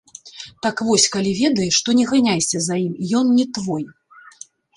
Так вось, калі ведаеш, то не ганяйся за ім, ён не твой.